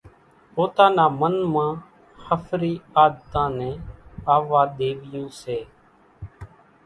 پوتا نا من مان ۿڦري عادتان نين آووا ۮيويون سي۔